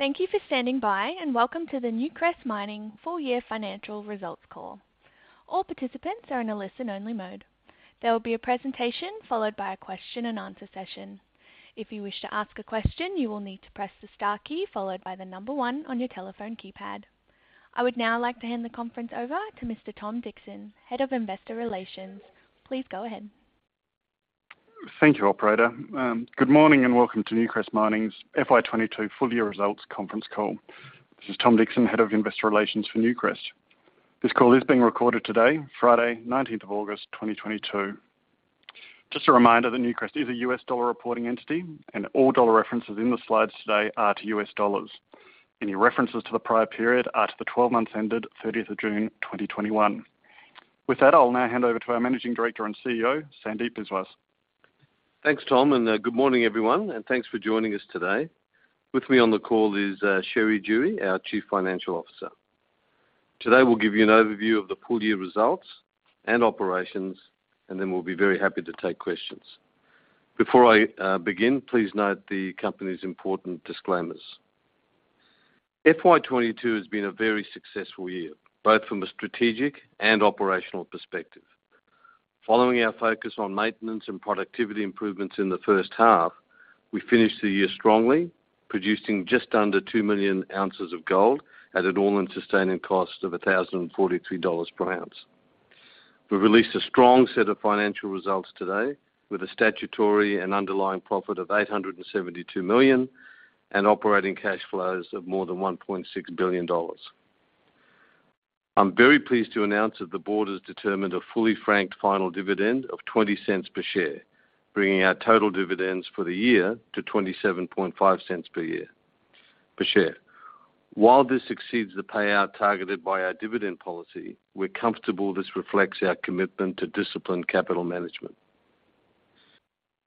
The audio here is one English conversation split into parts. Thank you for standing by, and welcome to the Newcrest Mining full year financial results call. All participants are in a listen-only mode. There will be a presentation followed by a question and answer session. If you wish to ask a question, you will need to press the star key followed by the number one on your telephone keypad. I would now like to hand the conference over to Mr. Tom Dixon, Head of Investor Relations. Please go ahead. Thank you, operator. Good morning, and welcome to Newcrest Mining's FY22 full year results conference call. This is Tom Dixon, Head of Investor Relations for Newcrest. This call is being recorded today, Friday, 19th of August, 2022. Just a reminder that Newcrest is a US dollar reporting entity, and all dollar references in the slides today are to US dollars. Any references to the prior period are to the 12 months ended 30th of June, 2021. With that, I'll now hand over to our Managing Director and CEO, Sandeep Biswas. Thanks, Tom, and good morning, everyone, and thanks for joining us today. With me on the call is Sherry Duhe, our chief financial officer. Today, we'll give you an overview of the full year results and operations, and then we'll be very happy to take questions. Before I begin, please note the company's important disclaimers. FY22 has been a very successful year, both from a strategic and operational perspective. Following our focus on maintenance and productivity improvements in the first half, we finished the year strongly, producing just under two million ounces of gold at an all-in sustaining cost of $1,043 per ounce. We've released a strong set of financial results today with a statutory and underlying profit of $872 million and operating cash flows of more than $1.6 billion. I'm very pleased to announce that the board has determined a fully franked final dividend of 0.20 per share, bringing our total dividends for the year to 0.275 per share. While this exceeds the payout targeted by our dividend policy, we're comfortable this reflects our commitment to disciplined capital management.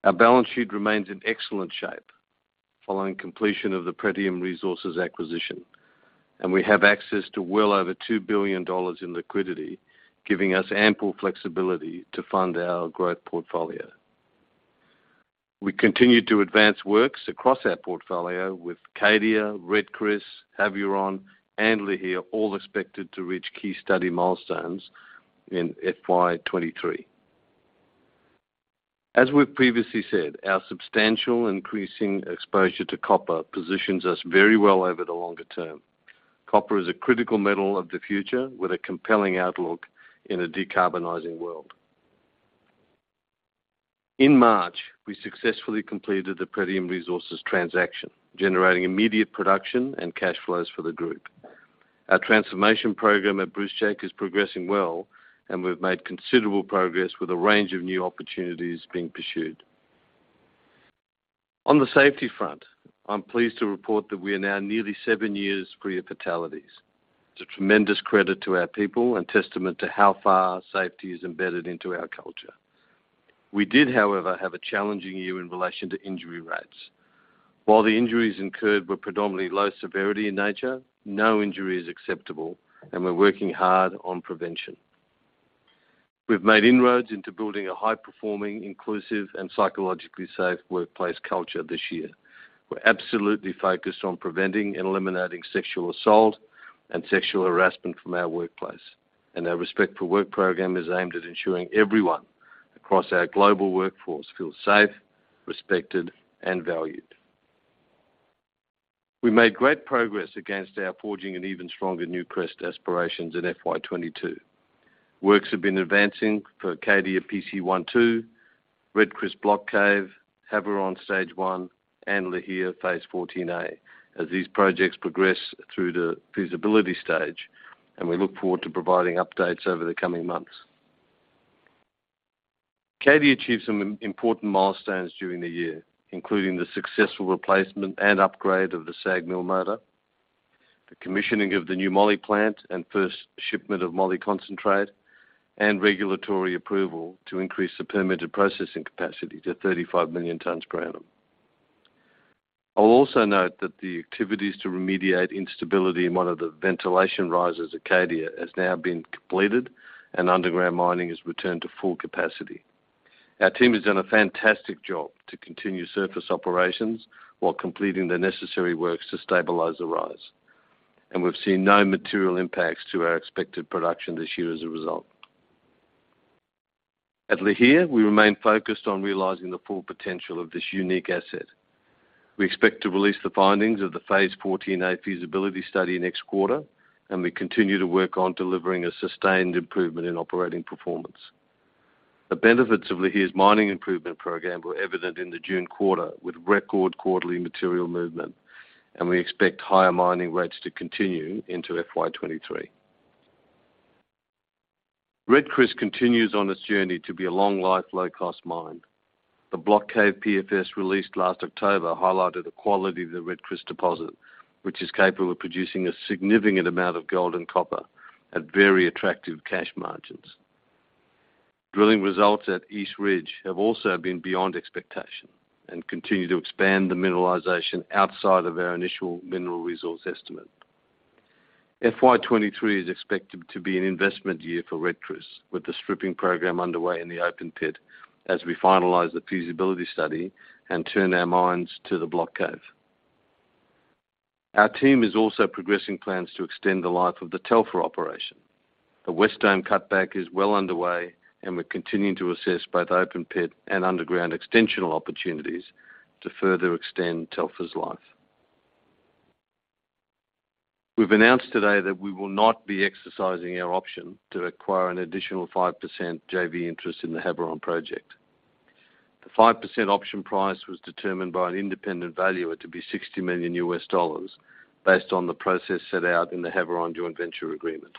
Our balance sheet remains in excellent shape following completion of the Pretium Resources acquisition, and we have access to well over 2 billion dollars in liquidity, giving us ample flexibility to fund our growth portfolio. We continue to advance works across our portfolio with Cadia, Red Chris, Havieron, and Lihir all expected to reach key study milestones in FY23. As we've previously said, our substantial increasing exposure to copper positions us very well over the longer term. Copper is a critical metal of the future with a compelling outlook in a decarbonizing world. In March, we successfully completed the Pretium Resources transaction, generating immediate production and cash flows for the group. Our transformation program at Brucejack is progressing well, and we've made considerable progress with a range of new opportunities being pursued. On the safety front, I'm pleased to report that we are now nearly seven years free of fatalities. It's a tremendous credit to our people and testament to how far safety is embedded into our culture. We did, however, have a challenging year in relation to injury rates. While the injuries incurred were predominantly low severity in nature, no injury is acceptable, and we're working hard on prevention. We've made inroads into building a high-performing, inclusive and psychologically safe workplace culture this year. We're absolutely focused on preventing and eliminating sexual assault and sexual harassment from our workplace, and our Respect@Work program is aimed at ensuring everyone across our global workforce feels safe, respected, and valued. We made great progress against our four key and even stronger Newcrest aspirations in FY22. Works have been advancing for Cadia PC1, 2, Red Chris Block Cave, Havieron Stage One, and Lihir Phase 14A as these projects progress through the feasibility stage, and we look forward to providing updates over the coming months. Cadia achieved some important milestones during the year, including the successful replacement and upgrade of the SAG mill motor, the commissioning of the new moly plant and first shipment of moly concentrate, and regulatory approval to increase the permitted processing capacity to 35 million tons per annum. I'll also note that the activities to remediate instability in one of the ventilation rises at Cadia has now been completed and underground mining has returned to full capacity. Our team has done a fantastic job to continue surface operations while completing the necessary works to stabilize the rise, and we've seen no material impacts to our expected production this year as a result. At Lihir, we remain focused on realizing the full potential of this unique asset. We expect to release the findings of the Phase 14A feasibility study next quarter, and we continue to work on delivering a sustained improvement in operating performance. The benefits of Lihir's mining improvement program were evident in the June quarter with record quarterly material movement, and we expect higher mining rates to continue into FY23. Red Chris continues on its journey to be a long life, low cost mine. The Block Cave PFS released last October highlighted the quality of the Red Chris deposit, which is capable of producing a significant amount of gold and copper at very attractive cash margins. Drilling results at East Ridge have also been beyond expectation and continue to expand the mineralization outside of our initial mineral resource estimate. FY23 is expected to be an investment year for Red Chris, with the stripping program underway in the open pit as we finalize the feasibility study and turn our minds to the Block Cave. Our team is also progressing plans to extend the life of the Telfer operation. The West Dome cutback is well underway, and we're continuing to assess both open pit and underground extensional opportunities to further extend Telfer's life. We've announced today that we will not be exercising our option to acquire an additional 5% JV interest in the Havieron project. The 5% option price was determined by an independent valuer to be $60 million based on the process set out in the Havieron joint venture agreement.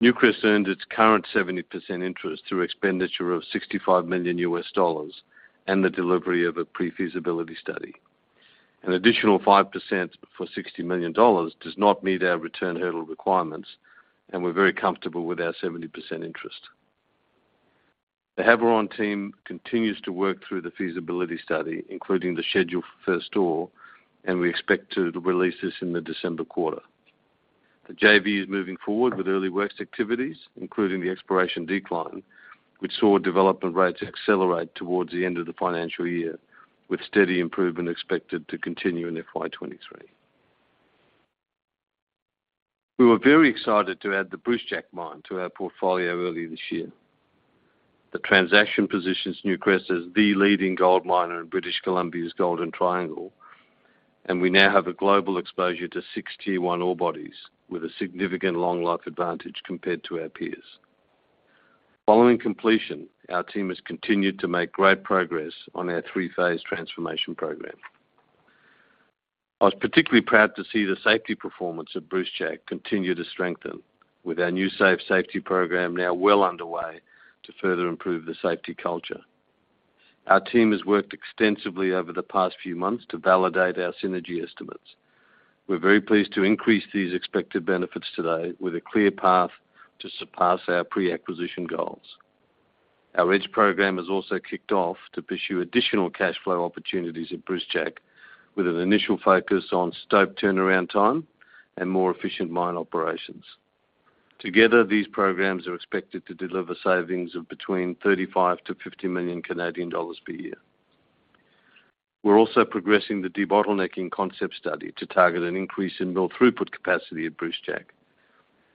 Newcrest earned its current 70% interest through expenditure of $65 million and the delivery of a pre-feasibility study. An additional 5% for $60 million does not meet our return hurdle requirements, and we're very comfortable with our 70% interest. The Havieron team continues to work through the feasibility study, including the schedule for first ore, and we expect to release this in the December quarter. The JV is moving forward with early works activities, including the exploration decline, which saw development rates accelerate towards the end of the financial year, with steady improvement expected to continue in FY23. We were very excited to add the Brucejack mine to our portfolio earlier this year. The transaction positions Newcrest as the leading gold miner in British Columbia's Golden Triangle, and we now have a global exposure to six Tier one ore bodies with a significant long life advantage compared to our peers. Following completion, our team has continued to make great progress on our three-phase transformation program. I was particularly proud to see the safety performance of Brucejack continue to strengthen with our new safety program now well underway to further improve the safety culture. Our team has worked extensively over the past few months to validate our synergy estimates. We're very pleased to increase these expected benefits today with a clear path to surpass our pre-acquisition goals. Our Edge program has also kicked off to pursue additional cash flow opportunities at Brucejack with an initial focus on stope turnaround time and more efficient mine operations. Together, these programs are expected to deliver savings of between 35 million and 50 million Canadian dollars per year. We're also progressing the debottlenecking concept study to target an increase in mill throughput capacity at Brucejack.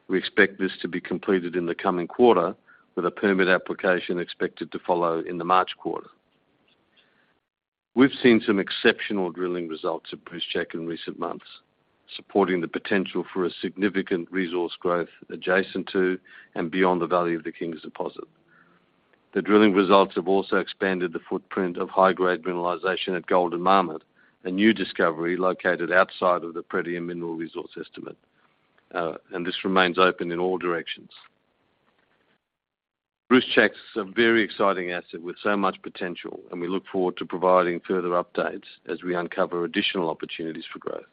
We expect this to be completed in the coming quarter with a permit application expected to follow in the March quarter. We've seen some exceptional drilling results at Brucejack in recent months, supporting the potential for a significant resource growth adjacent to and beyond the Valley of the Kings Deposit. The drilling results have also expanded the footprint of high-grade mineralization at Golden Marmot, a new discovery located outside of the Pretium mineral resource estimate. This remains open in all directions. Brucejack's a very exciting asset with so much potential, and we look forward to providing further updates as we uncover additional opportunities for growth.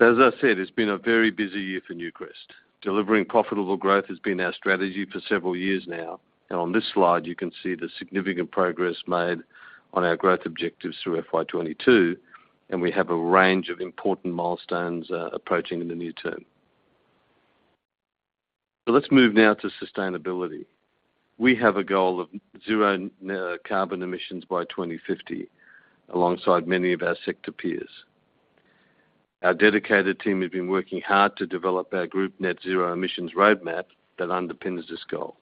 As I said, it's been a very busy year for Newcrest. Delivering profitable growth has been our strategy for several years now, and on this slide, you can see the significant progress made on our growth objectives through FY22, and we have a range of important milestones approaching in the near term. Let's move now to sustainability. We have a goal of zero net-carbon emissions by 2050, alongside many of our sector peers. Our dedicated team has been working hard to develop our group net zero emissions roadmap that underpins this goal.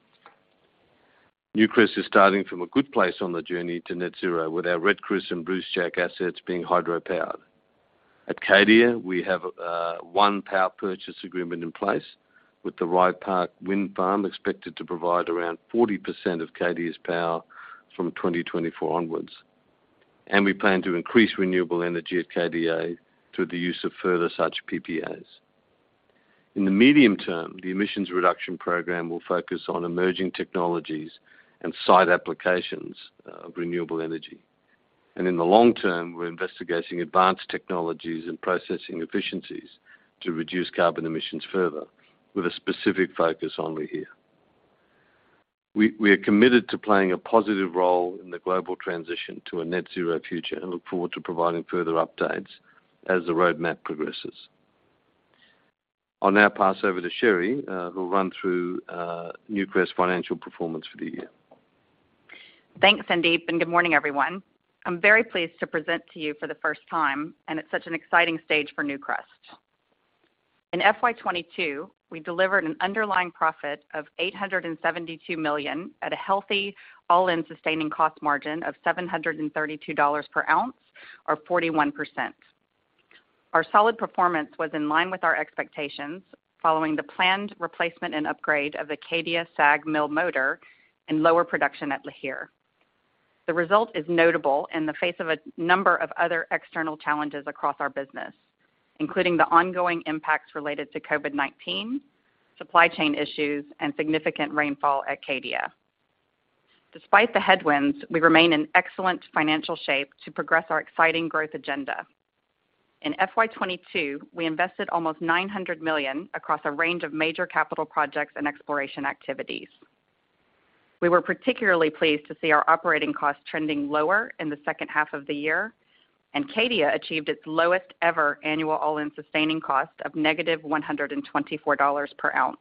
Newcrest is starting from a good place on the journey to net zero with our Red Chris and Brucejack assets being hydropowered. At Cadia, we have one power purchase agreement in place, with the Rye Park Wind Farm expected to provide around 40% of Cadia's power from 2024 onwards. We plan to increase renewable energy at Cadia through the use of further such PPAs. In the medium term, the emissions reduction program will focus on emerging technologies and site applications of renewable energy. In the long term, we're investigating advanced technologies and processing efficiencies to reduce carbon emissions further with a specific focus on Lihir. We are committed to playing a positive role in the global transition to a net zero future and look forward to providing further updates as the roadmap progresses. I'll now pass over to Sherry, who'll run through Newcrest financial performance for the year. Thanks, Sandeep, and good morning, everyone. I'm very pleased to present to you for the first time, and it's such an exciting stage for Newcrest. In FY22, we delivered an underlying profit of $872 million at a healthy all-in sustaining cost margin of $732 per ounce or 41%. Our solid performance was in line with our expectations following the planned replacement and upgrade of the Cadia SAG mill motor and lower production at Lihir. The result is notable in the face of a number of other external challenges across our business, including the ongoing impacts related to COVID-19, supply chain issues, and significant rainfall at Cadia. Despite the headwinds, we remain in excellent financial shape to progress our exciting growth agenda. In FY22, we invested almost $900 million across a range of major capital projects and exploration activities. We were particularly pleased to see our operating costs trending lower in the second half of the year, and Cadia achieved its lowest ever annual all-in sustaining cost of -$124 per ounce.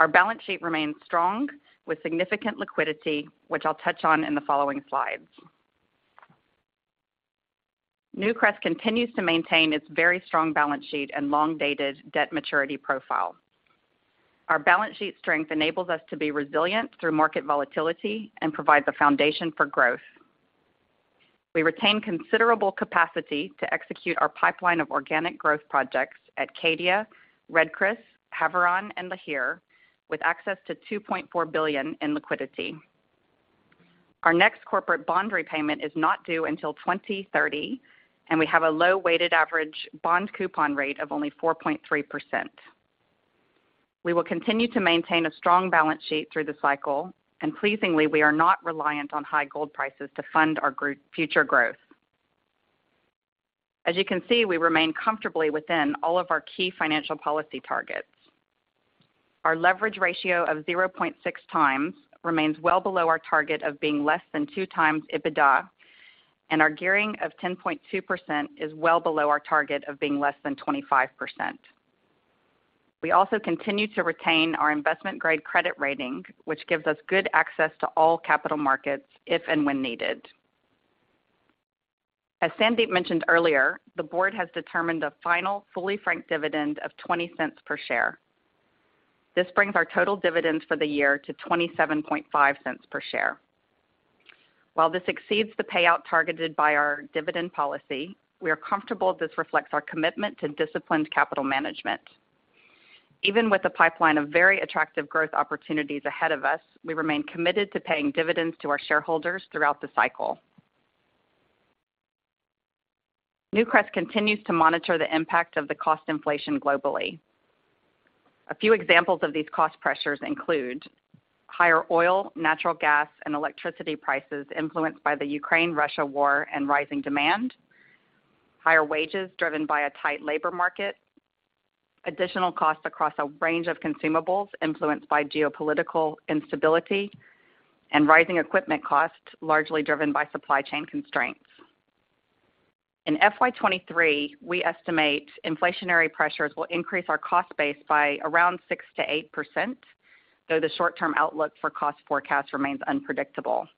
Our balance sheet remains strong, with significant liquidity, which I'll touch on in the following slides. Newcrest continues to maintain its very strong balance sheet and long-dated debt maturity profile. Our balance sheet strength enables us to be resilient through market volatility and provides a foundation for growth. We retain considerable capacity to execute our pipeline of organic growth projects at Cadia, Red Chris, Havieron and Lihir, with access to $2.4 billion in liquidity. Our next corporate bond repayment is not due until 2030, and we have a low weighted average bond coupon rate of only 4.3%. We will continue to maintain a strong balance sheet through the cycle, and pleasingly, we are not reliant on high gold prices to fund our future growth. As you can see, we remain comfortably within all of our key financial policy targets. Our leverage ratio of 0.6x remains well below our target of being less than 2x EBITDA, and our gearing of 10.2% is well below our target of being less than 25%. We also continue to retain our investment grade credit rating, which gives us good access to all capital markets if and when needed. As Sandeep mentioned earlier, the board has determined a final fully franked dividend of 0.20 per share. This brings our total dividends for the year to 0.275 per share. While this exceeds the payout targeted by our dividend policy, we are comfortable this reflects our commitment to disciplined capital management. Even with the pipeline of very attractive growth opportunities ahead of us, we remain committed to paying dividends to our shareholders throughout the cycle. Newcrest continues to monitor the impact of the cost inflation globally. A few examples of these cost pressures include higher oil, natural gas, and electricity prices influenced by the Ukraine-Russia war and rising demand, higher wages driven by a tight labor market, additional costs across a range of consumables influenced by geopolitical instability, and rising equipment costs, largely driven by supply chain constraints. In FY23, we estimate inflationary pressures will increase our cost base by around 6%-8%, though the short-term outlook for cost forecast remains unpredictable.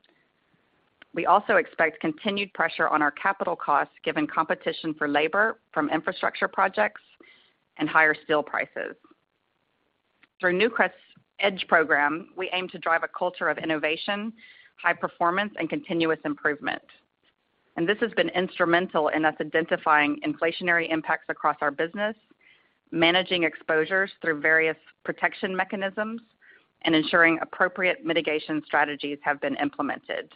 We also expect continued pressure on our capital costs given competition for labor from infrastructure projects and higher steel prices. Through Newcrest's Edge program, we aim to drive a culture of innovation, high performance, and continuous improvement. This has been instrumental in us identifying inflationary impacts across our business, managing exposures through various protection mechanisms, and ensuring appropriate mitigation strategies have been implemented.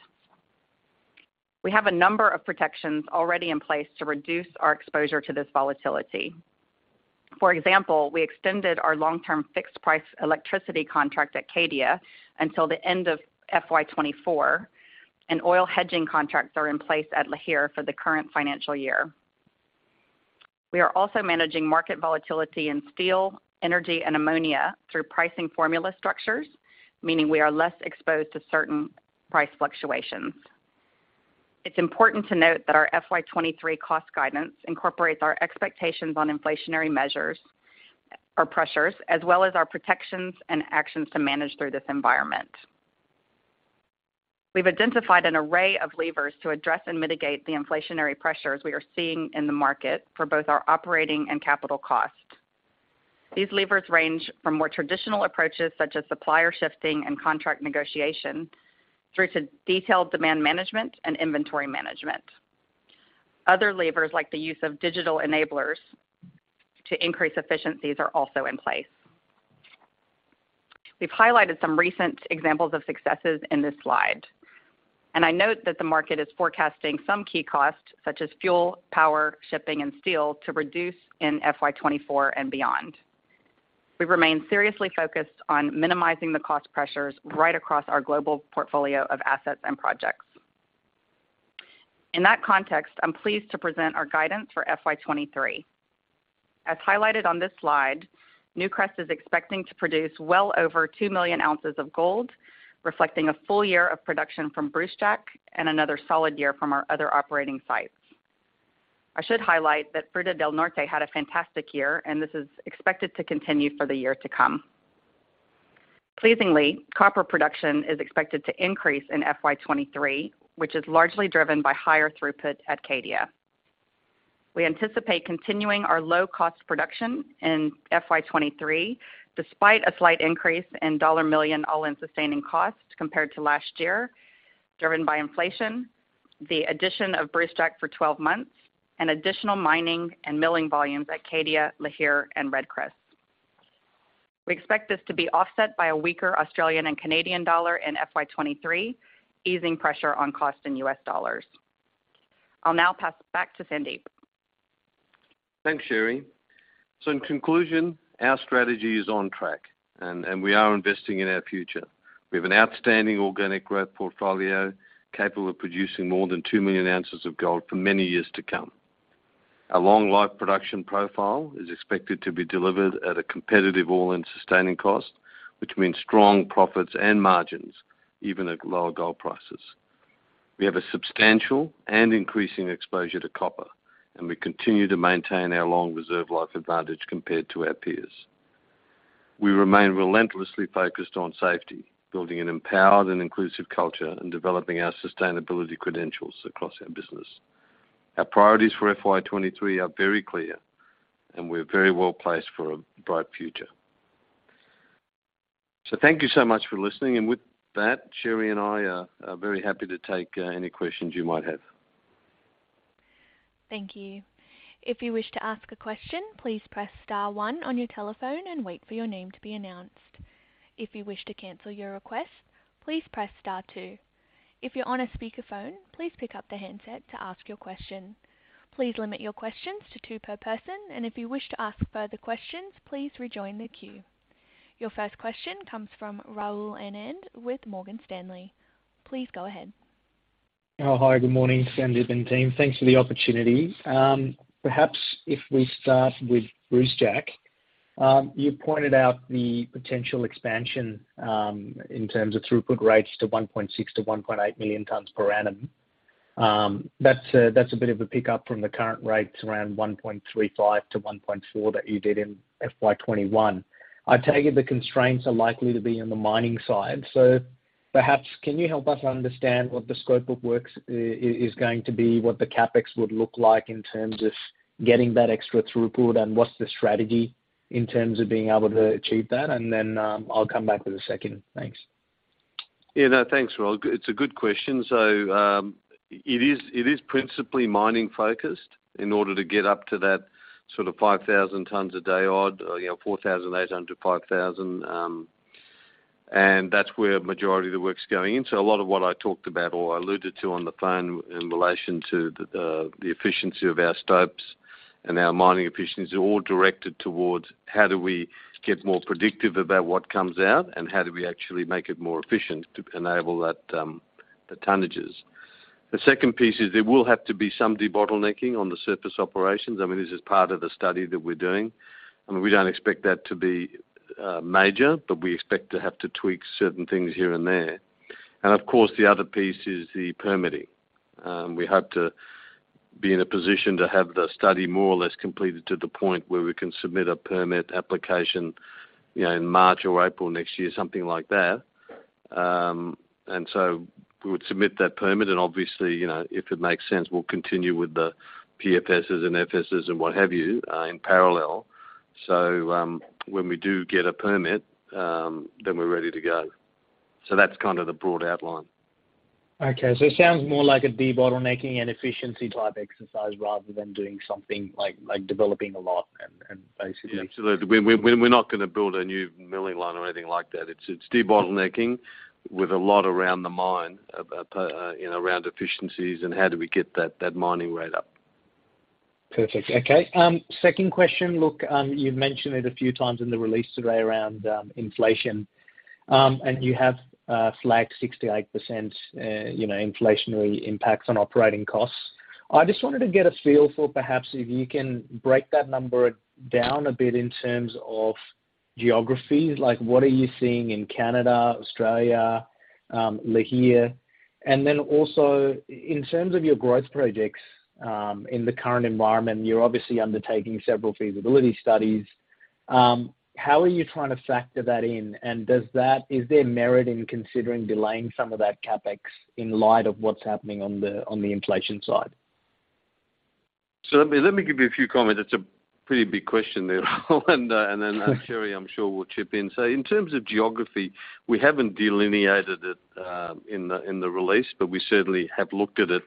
We have a number of protections already in place to reduce our exposure to this volatility. For example, we extended our long-term fixed price electricity contract at Cadia until the end of FY24, and oil hedging contracts are in place at Lihir for the current financial year. We are also managing market volatility in steel, energy, and ammonia through pricing formula structures, meaning we are less exposed to certain price fluctuations. It's important to note that our FY23 cost guidance incorporates our expectations on inflationary measures, pressures, as well as our protections and actions to manage through this environment. We've identified an array of levers to address and mitigate the inflationary pressures we are seeing in the market for both our operating and capital costs. These levers range from more traditional approaches such as supplier shifting and contract negotiation through to detailed demand management and inventory management. Other levers, like the use of digital enablers to increase efficiencies, are also in place. We've highlighted some recent examples of successes in this slide, and I note that the market is forecasting some key costs, such as fuel, power, shipping, and steel, to reduce in FY24 and beyond. We remain seriously focused on minimizing the cost pressures right across our global portfolio of assets and projects. In that context, I'm pleased to present our guidance for FY23. As highlighted on this slide, Newcrest is expecting to produce well over two million ounces of gold, reflecting a full year of production from Brucejack and another solid year from our other operating sites. I should highlight that Fruta del Norte had a fantastic year, and this is expected to continue for the year to come. Pleasingly, copper production is expected to increase in FY23, which is largely driven by higher throughput at Cadia. We anticipate continuing our low-cost production in FY23, despite a slight increase in $ million all-in sustaining costs compared to last year, driven by inflation, the addition of Brucejack for 12 months, and additional mining and milling volumes at Cadia, Lihir, and Red Chris. We expect this to be offset by a weaker Australian and Canadian dollar in FY23, easing pressure on cost in U.S. dollars. I'll now pass it back to Sandeep. Thanks, Sherry. In conclusion, our strategy is on track, and we are investing in our future. We have an outstanding organic growth portfolio capable of producing more than two million ounces of gold for many years to come. Our long life production profile is expected to be delivered at a competitive all-in sustaining cost, which means strong profits and margins even at lower gold prices. We have a substantial and increasing exposure to copper, and we continue to maintain our long reserve life advantage compared to our peers. We remain relentlessly focused on safety, building an empowered and inclusive culture and developing our sustainability credentials across our business. Our priorities for FY23 are very clear, and we're very well placed for a bright future. Thank you so much for listening. With that, Sherry and I are very happy to take any questions you might have. Thank you. If you wish to ask a question, please press star one on your telephone and wait for your name to be announced. If you wish to cancel your request, please press star two. If you're on a speakerphone, please pick up the handset to ask your question. Please limit your questions to two per person, and if you wish to ask further questions, please rejoin the queue. Your first question comes from Rahul Anand with Morgan Stanley. Please go ahead. Hi, good morning, Sandeep and team. Thanks for the opportunity. Perhaps if we start with Brucejack. You pointed out the potential expansion in terms of throughput rates to 1.6-1.8 million tons per annum. That's a bit of a pickup from the current rates around 1.35-1.4 that you did in FY21. I take it the constraints are likely to be on the mining side. Perhaps can you help us understand what the scope of works is going to be? What the CapEx would look like in terms of getting that extra throughput? And what's the strategy in terms of being able to achieve that? And then I'll come back with a second. Thanks. Yeah. No, thanks, Rahul. It's a good question. It is principally mining-focused in order to get up to that sort of 5,000 tons a day or so, 4,800, 5,000. And that's where majority of the work's going in. A lot of what I talked about or I alluded to on the phone in relation to the efficiency of our stopes and our mining efficiencies are all directed towards how do we get more predictive about what comes out and how do we actually make it more efficient to enable that, the tonnages. The second piece is there will have to be some debottlenecking on the surface operations. I mean, this is part of the study that we're doing. I mean, we don't expect that to be, major, but we expect to have to tweak certain things here and there. Of course, the other piece is the permitting. We hope to be in a position to have the study more or less completed to the point where we can submit a permit application, you know, in March or April next year, something like that. We would submit that permit and obviously, you know, if it makes sense, we'll continue with the PFS and FS's and what have you, in parallel. When we do get a permit, then we're ready to go. That's kind of the broad outline. Okay. It sounds more like a debottlenecking and efficiency type exercise rather than doing something like developing a lot and basically. Yeah, absolutely. We're not gonna build a new milling line or anything like that. It's debottlenecking with a lot around the mine, you know, around efficiencies and how do we get that mining rate up. Perfect. Okay. Second question. Look, you've mentioned it a few times in the release today around inflation. And you have flagged 68%, you know, inflationary impacts on operating costs. I just wanted to get a feel for perhaps if you can break that number down a bit in terms of geography. Like what are you seeing in Canada, Australia, Lihir? Then also in terms of your growth projects, in the current environment, you're obviously undertaking several feasibility studies. How are you trying to factor that in? And does that. Is there merit in considering delaying some of that CapEx in light of what's happening on the inflation side? Let me give you a few comments. It's a pretty big question there, Rahul. Sherry, I'm sure will chip in. In terms of geography, we haven't delineated it in the release, but we certainly have looked at it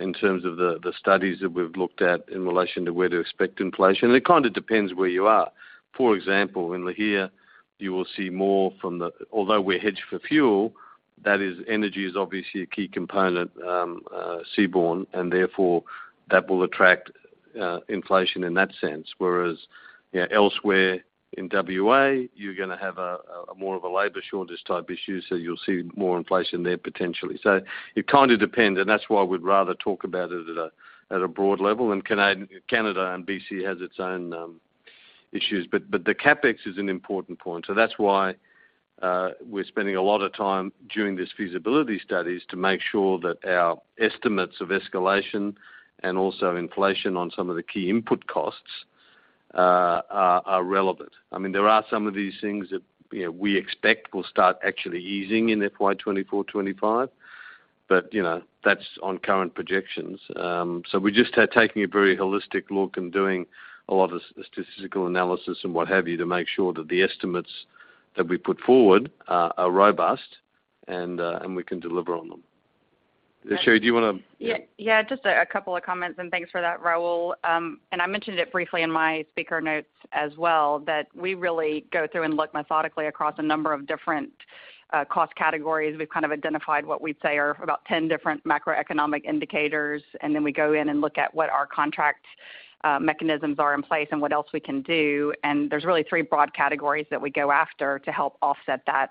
in terms of the studies that we've looked at in relation to where to expect inflation. It kinda depends where you are. For example, in Lihir, you will see more, although we're hedged for fuel, that is energy is obviously a key component, seaborne, and therefore that will attract inflation in that sense. Whereas, elsewhere in WA, you're gonna have a more of a labor shortage type issue, so you'll see more inflation there potentially. It kinda depends, and that's why we'd rather talk about it at a broad level. Canada and BC has its own issues. The CapEx is an important point. That's why we're spending a lot of time during these feasibility studies to make sure that our estimates of escalation and also inflation on some of the key input costs are relevant. I mean, there are some of these things that, you know, we expect will start actually easing in FY24, FY25, but, you know, that's on current projections. We're just taking a very holistic look and doing a lot of statistical analysis and what have you, to make sure that the estimates that we put forward are robust and we can deliver on them. Sherry, do you wanna- Yeah. Yeah, just a couple of comments, and thanks for that, Rahul. I mentioned it briefly in my speaker notes as well, that we really go through and look methodically across a number of different cost categories. We've kind of identified what we'd say are about ten different macroeconomic indicators, and then we go in and look at what our contract mechanisms are in place and what else we can do. There's really three broad categories that we go after to help offset that,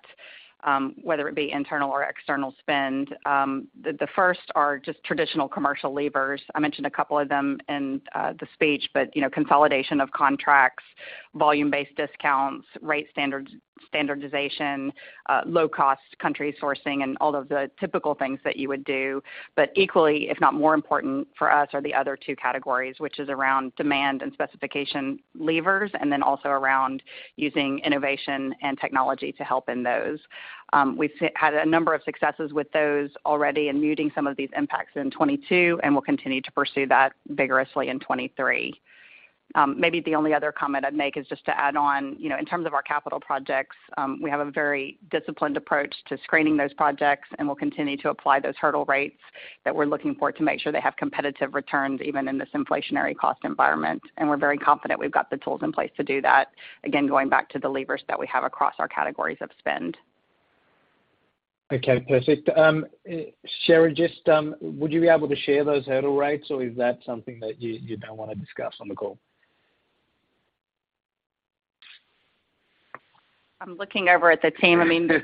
whether it be internal or external spend. The first are just traditional commercial levers. I mentioned a couple of them in the speech, but, you know, consolidation of contracts, volume-based discounts, rate standards. Standardization, low cost country sourcing and all of the typical things that you would do. But equally, if not more important for us are the other two categories, which is around demand and specification levers, and then also around using innovation and technology to help in those. We've had a number of successes with those already in mitigating some of these impacts in 2022, and we'll continue to pursue that vigorously in 2023. Maybe the only other comment I'd make is just to add on, you know, in terms of our capital projects, we have a very disciplined approach to screening those projects, and we'll continue to apply those hurdle rates that we're looking for to make sure they have competitive returns even in this inflationary cost environment. We're very confident we've got the tools in place to do that. Again, going back to the levers that we have across our categories of spend. Okay, perfect. Sherry just, would you be able to share those hurdle rates or is that something that you don't wanna discuss on the call? I'm looking over at the team. I mean. It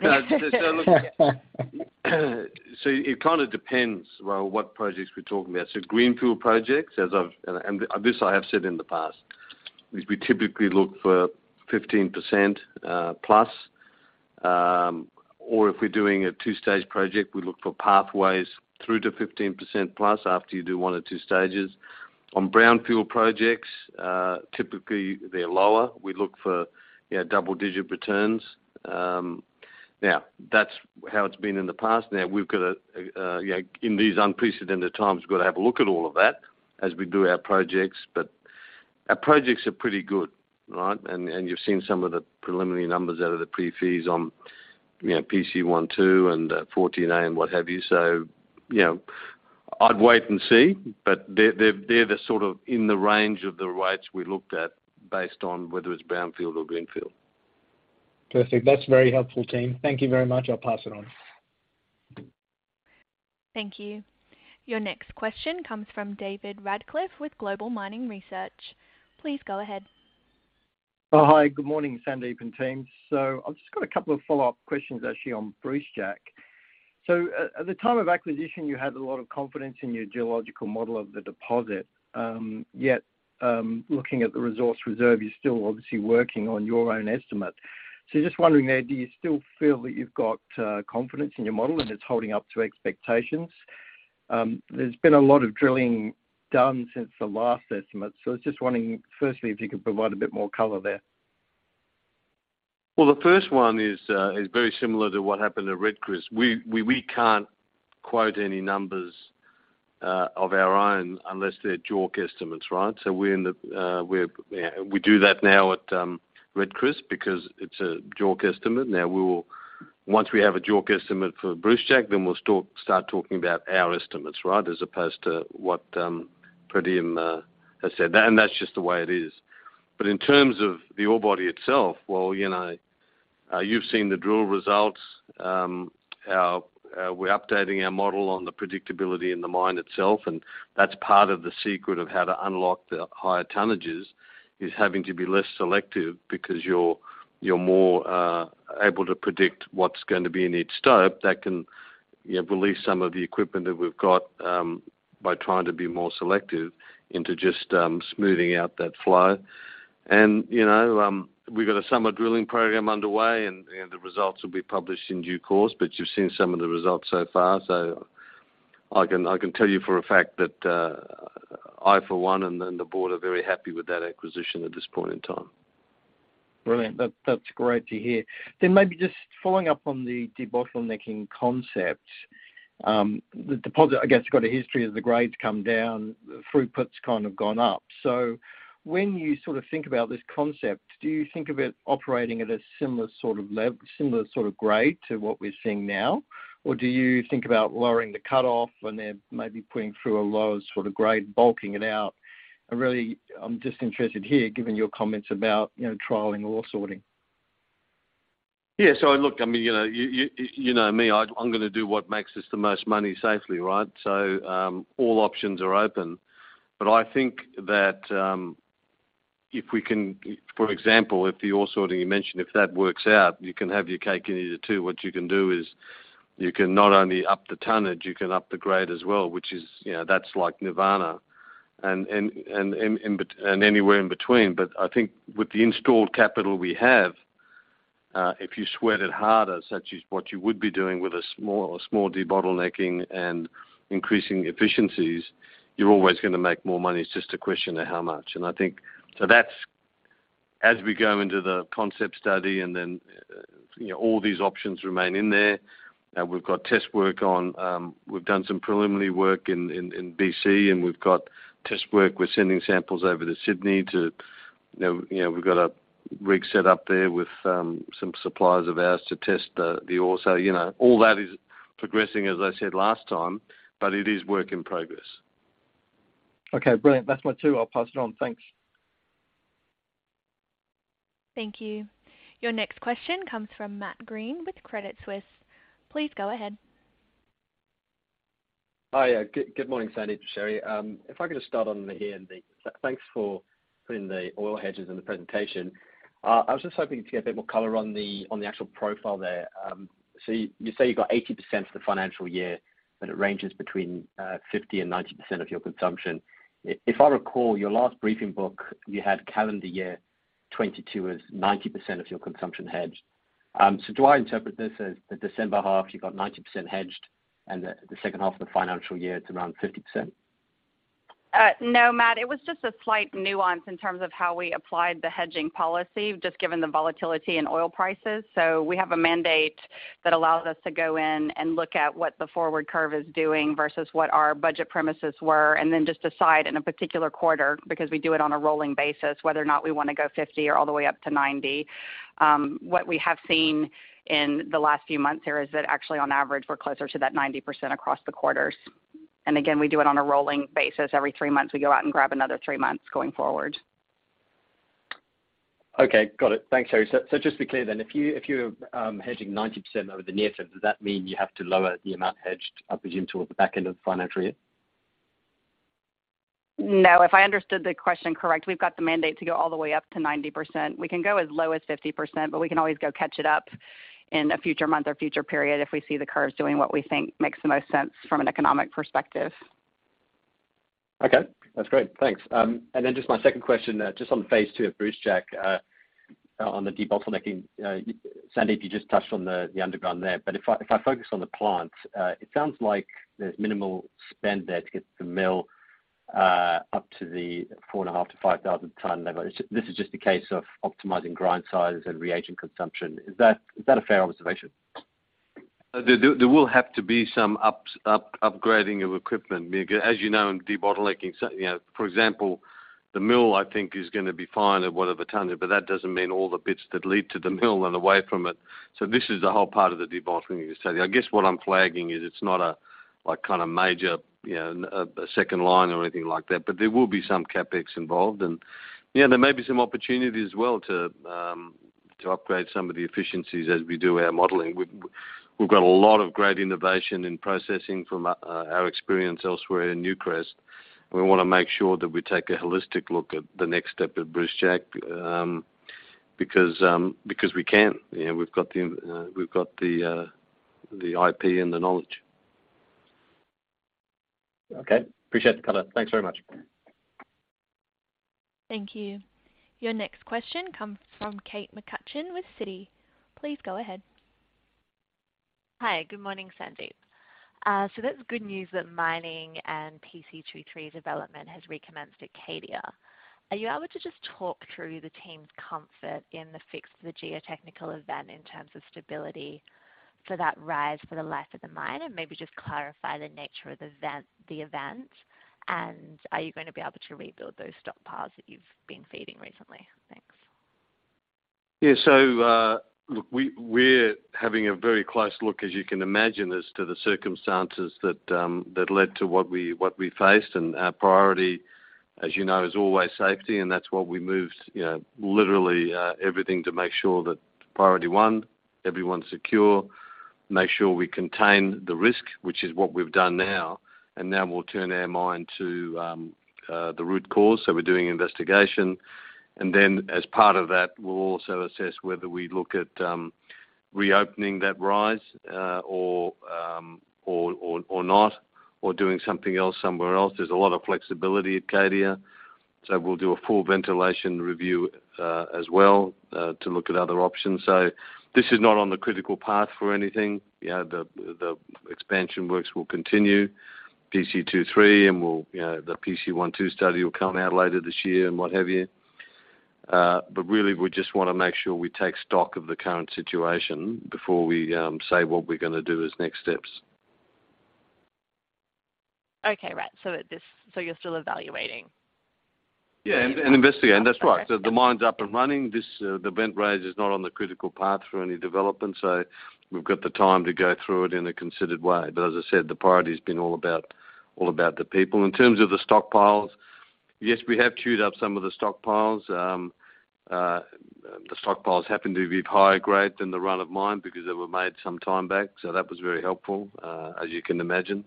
kinda depends, well, what projects we're talking about. Greenfield projects, and this I have said in the past, is we typically look for 15% plus. Or if we're doing a two-stage project, we look for pathways through to 15% plus after you do one or two stages. On brownfield projects, typically they're lower. We look for, you know, double-digit returns. Now that's how it's been in the past. Now we've gotta, you know, in these unprecedented times, we've gotta have a look at all of that as we do our projects. But our projects are pretty good, right? And you've seen some of the preliminary numbers out of the PFS on, you know, PC12 and Phase 14A and what have you. You know, I'd wait and see. They're sort of in the range of the rates we looked at based on whether it's brownfield or greenfield. Perfect. That's very helpful, team. Thank you very much. I'll pass it on. Thank you. Your next question comes from David Radclyffe with Global Mining Research. Please go ahead. Oh, hi. Good morning, Sandeep and team. I've just got a couple of follow-up questions actually on Brucejack. At the time of acquisition, you had a lot of confidence in your geological model of the deposit. Yet, looking at the resource reserve, you're still obviously working on your own estimate. Just wondering there, do you still feel that you've got confidence in your model and it's holding up to expectations? There's been a lot of drilling done since the last estimate, so I was just wondering, firstly, if you could provide a bit more color there. Well, the first one is very similar to what happened at Red Chris. We can't quote any numbers of our own unless they're JORC estimates, right? So we're, you know, we do that now at Red Chris because it's a JORC estimate. Now, once we have a JORC estimate for Brucejack, then we'll start talking about our estimates, right? As opposed to what Pretium has said. That's just the way it is. In terms of the ore body itself, well, you know, you've seen the drill results. We're updating our model on the predictability in the mine itself, and that's part of the secret of how to unlock the higher tonnages, is having to be less selective because you're more able to predict what's going to be in each stope. That can, you know, release some of the equipment that we've got by trying to be more selective into just smoothing out that flow. We've got a summer drilling program underway and the results will be published in due course, but you've seen some of the results so far. I can tell you for a fact that I for one and then the board are very happy with that acquisition at this point in time. Brilliant. That's great to hear. Maybe just following up on the debottlenecking concept, the deposit, I guess, got a history as the grades come down, throughput's kind of gone up. When you sort of think about this concept, do you think of it operating at a similar sort of grade to what we're seeing now? Or do you think about lowering the cutoff and then maybe putting through a lower sort of grade, bulking it out? Really, I'm just interested here, given your comments about, you know, trialing ore sorting. Yeah. Look, I mean, you know, you know me, I'm gonna do what makes us the most money safely, right? All options are open. I think that, if we can, for example, if the ore sorting you mentioned, if that works out, you can have your cake and eat it too. What you can do is you can not only up the tonnage, you can up the grade as well, which is, you know, that's like nirvana and anywhere in between. I think with the installed capital we have, if you sweat it harder, such as what you would be doing with a small debottlenecking and increasing efficiencies, you're always gonna make more money. It's just a question of how much. I think so that's as we go into the concept study and then, you know, all these options remain in there. We've got test work on, we've done some preliminary work in BC, and we've got test work. We're sending samples over to Sydney to, you know, we've got a rig set up there with some suppliers of ours to test the ore. You know, all that is progressing, as I said last time, but it is work in progress. Okay, brilliant. That's my two. I'll pass it on. Thanks. Thank you. Your next question comes from Matthew Green with Credit Suisse. Please go ahead. Hi. Yeah. Good morning, Sandeep, Sherry. If I could just start on the EMD. Thanks for putting the oil hedges in the presentation. I was just hoping to get a bit more color on the actual profile there. So you say you've got 80% for the financial year. But it ranges between 50%-90% of your consumption. If I recall your last briefing book, you had calendar year 2022 as 90% of your consumption hedged. Do I interpret this as the December half, you've got 90% hedged and the second half of the financial year, it's around 50%? No, Matt, it was just a slight nuance in terms of how we applied the hedging policy, just given the volatility in oil prices. We have a mandate that allows us to go in and look at what the forward curve is doing versus what our budget premises were, and then just decide in a particular quarter, because we do it on a rolling basis, whether or not we wanna go 50 or all the way up to 90. What we have seen in the last few months here is that actually, on average, we're closer to that 90% across the quarters. Again, we do it on a rolling basis. Every three months, we go out and grab another three months going forward. Okay. Got it. Thanks, Sherry Duhe. Just to be clear then, if you're hedging 90% over the near term, does that mean you have to lower the amount hedged, I presume, toward the back end of the financial year? No. If I understood the question correct, we've got the mandate to go all the way up to 90%. We can go as low as 50%, but we can always go catch it up in a future month or future period if we see the curves doing what we think makes the most sense from an economic perspective. Okay. That's great. Thanks. Just my second question, just on phase two at Brucejack, on the debottlenecking. Sandeep, you just touched on the underground there. If I focus on the plant, it sounds like there's minimal spend there to get the mill up to the 4.5-5,000 ton level. This is just a case of optimizing grind sizes and reagent consumption. Is that a fair observation? There will have to be some upgrading of equipment. As you know, in debottlenecking, you know, for example, the mill, I think, is gonna be fine at whatever ton, but that doesn't mean all the bits that lead to the mill and away from it. This is the whole part of the debottlenecking study. I guess what I'm flagging is it's not like kinda major, you know, a second line or anything like that. There will be some CapEx involved. Yeah, there may be some opportunity as well to upgrade some of the efficiencies as we do our modeling. We've got a lot of great innovation in processing from our experience elsewhere in Newcrest. We wanna make sure that we take a holistic look at the next step at Brucejack, because we can. You know, we've got the IP and the knowledge. Okay. Appreciate the color. Thanks very much. Thank you. Your next question comes from Kate McCutcheon with Citi. Please go ahead. Hi. Good morning, Sandeep. That's good news that mining and PC23 development has recommenced at Cadia. Are you able to just talk through the team's comfort in the fix to the geotechnical event in terms of stability for that rise for the life of the mine? Maybe just clarify the nature of the event. Are you gonna be able to rebuild those stockpiles that you've been feeding recently? Thanks. Yeah. Look, we're having a very close look, as you can imagine, as to the circumstances that led to what we faced. Our priority, as you know, is always safety, and that's why we moved, you know, literally, everything to make sure that priority one, everyone's secure, make sure we contain the risk, which is what we've done now. Now we'll turn our mind to the root cause. We're doing investigation. Then as part of that, we'll also assess whether we look at reopening that rise, or not or doing something else somewhere else. There's a lot of flexibility at Cadia. We'll do a full ventilation review, as well, to look at other options. This is not on the critical path for anything. You know, the expansion works will continue, PC23, and we'll, you know, the PC12 study will come out later this year and what have you. Really, we just wanna make sure we take stock of the current situation before we say what we're gonna do as next steps. Okay. Right. You're still evaluating? Yeah. Investigating. That's right. The mine's up and running. This, the vent rise is not on the critical path for any development. We've got the time to go through it in a considered way. As I said, the priority's been all about the people. In terms of the stockpiles, yes, we have chewed up some of the stockpiles. The stockpiles happen to be higher grade than the run of mine because they were made some time back, so that was very helpful, as you can imagine.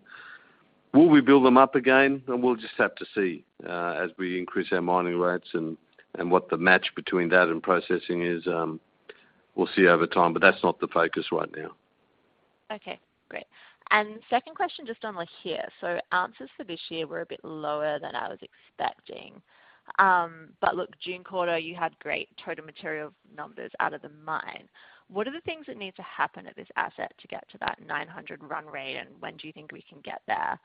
Will we build them up again? We'll just have to see, as we increase our mining rates and what the match between that and processing is, we'll see over time, but that's not the focus right now. Okay, great. Second question, just on Lihir. Ounces for this year were a bit lower than I was expecting. Look, June quarter, you had great total material numbers out of the mine. What are the things that need to happen at this asset to get to that 900 run rate? When do you think we can get there?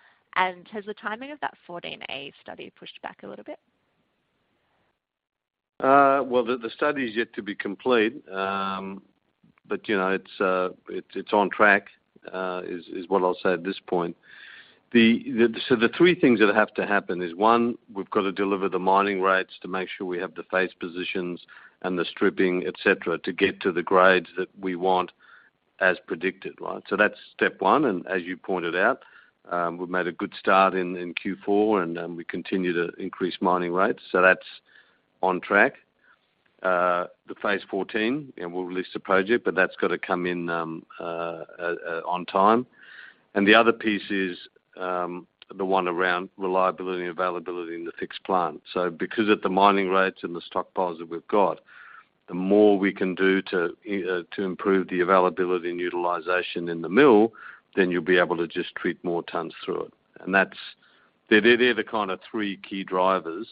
Has the timing of that 14A study pushed back a little bit? Well, the study is yet to be complete, but you know, it's on track, is what I'll say at this point. The three things that have to happen is, one, we've got to deliver the mining rates to make sure we have the phase positions and the stripping, et cetera, to get to the grades that we want as predicted, right? That's step one. As you pointed out, we've made a good start in Q4, and we continue to increase mining rates. That's on track. The phase 14, and we'll release the project, but that's gotta come in on time. The other piece is the one around reliability and availability in the fixed plant. Because of the mining rates and the stockpiles that we've got, the more we can do to improve the availability and utilization in the mill, then you'll be able to just treat more tons through it. They are the kind of three key drivers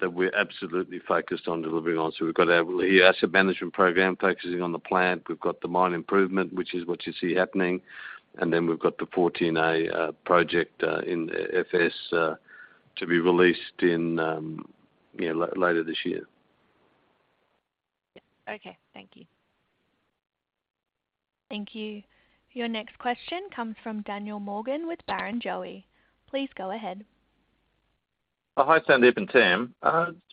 that we're absolutely focused on delivering on. We've got our asset management program focusing on the plant. We've got the mine improvement, which is what you see happening. Then we've got the Phase 14A project in the FS to be released later this year. Yeah. Okay. Thank you. Thank you. Your next question comes from Daniel Morgan with Barrenjoey. Please go ahead. Hi, Sandeep and team.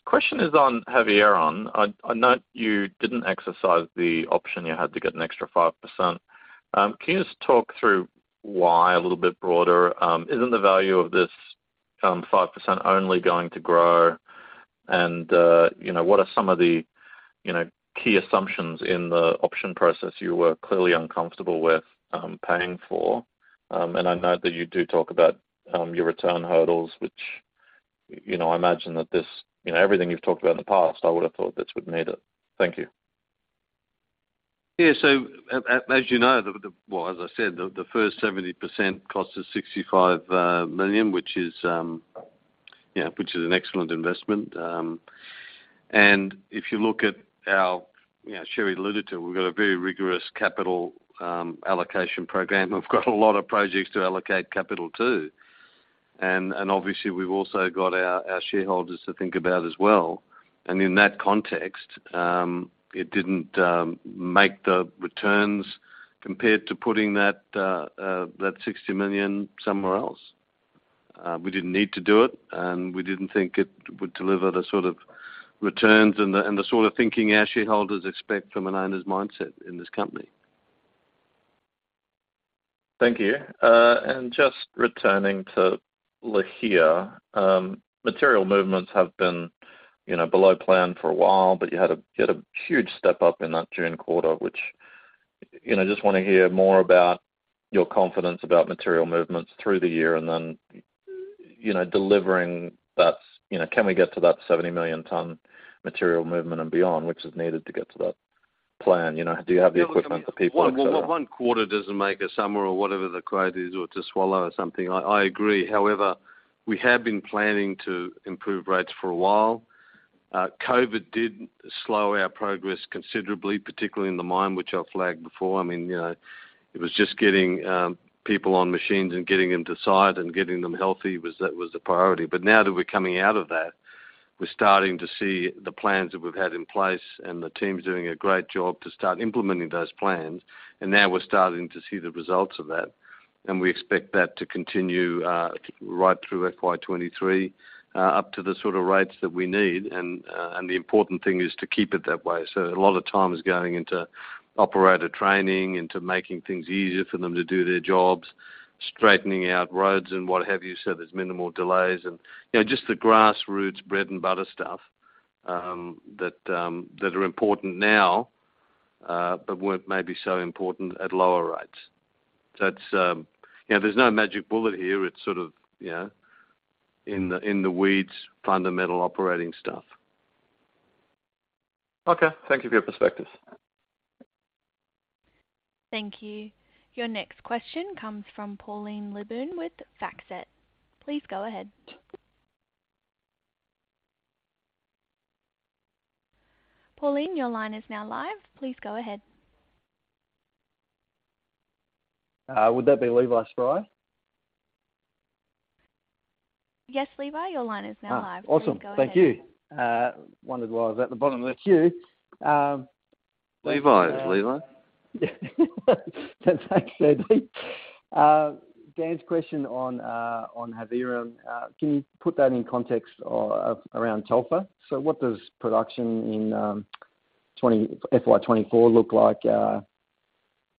Question is on Havieron. I note you didn't exercise the option you had to get an extra 5%. Can you just talk through why a little bit broader? Isn't the value of this 5% only going to grow? You know, what are some of the key assumptions in the option process you were clearly uncomfortable with paying for? I know that you do talk about your return hurdles, which you know, I imagine that this you know, everything you've talked about in the past, I would have thought this would have made it. Thank you. Yeah. As you know, well, as I said, the first 70% cost us $65 million, which is an excellent investment. If you look at our, you know, Sherry alluded to, we've got a very rigorous capital allocation program. We've got a lot of projects to allocate capital to. Obviously we've also got our shareholders to think about as well. In that context, it didn't make the returns compared to putting that $60 million somewhere else. We didn't need to do it, and we didn't think it would deliver the sort of returns and the sort of thinking our shareholders expect from an owner's mindset in this company. Thank you. Just returning to Lihir. Material movements have been, you know, below plan for a while, but you had a huge step up in that June quarter. You know, I just wanna hear more about your confidence about material movements through the year and then, you know, delivering that, you know, can we get to that 70-million-ton material movement and beyond, which is needed to get to that plan? You know, do you have the equipment, the people, et cetera? Well, one quarter doesn't make a summer or whatever the quote is or to swallow or something. I agree. However, we have been planning to improve rates for a while. COVID did slow our progress considerably, particularly in the mine, which I flagged before. I mean, you know, it was just getting people on machines and getting them to site and getting them healthy was the priority. Now that we're coming out of that, we're starting to see the plans that we've had in place and the team's doing a great job to start implementing those plans. Now we're starting to see the results of that, and we expect that to continue right through FY23 up to the sort of rates that we need. The important thing is to keep it that way. A lot of time is going into operator training, into making things easier for them to do their jobs, straightening out roads and what have you, so there's minimal delays and, you know, just the grassroots bread-and-butter stuff that are important now, but weren't maybe so important at lower rates. It's, you know, there's no magic bullet here. It's sort of, you know, in the weeds, fundamental operating stuff. Okay. Thank you for your perspectives. Thank you. Your next question comes from Pauline with. Please go ahead. Pauline, your line is now live. Please go ahead. Would that be Levi Spry? Yes, Levi, your line is now live. Ah. Please go ahead. Awesome. Thank you. Wondered why I was at the bottom of the queue. Levi is Levi. Thanks, Sandeep. Dan's question on Havieron, can you put that in context around Telfer? What does production in FY24 look like